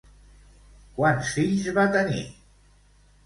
Quants fills va tenir?